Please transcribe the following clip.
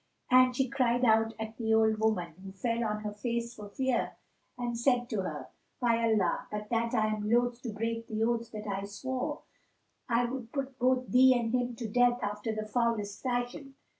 And she cried out at the old woman, who fell on her face for fear, and said to her, "By Allah, but that I am loath to break the oath that I swore, I would put both thee and him to death after the foulest fashion!"